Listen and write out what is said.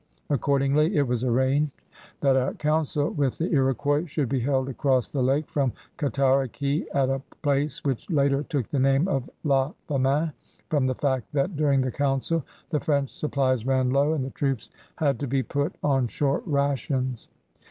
Accordingly, it was arranged that a councfl with the Lx>quois should be held across the lake from Cataraqui at a place which later took the name of La Famine from the fact that during the council the French supplies ran low and the troops had to be put on short rations.